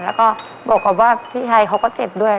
แล้วก็บอกกับว่าพี่ชายเขาก็เจ็บด้วย